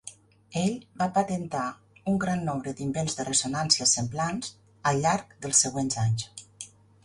Ell va patentar un gran nombre d'invents de ressonnància semblants al llarg dels següents anys.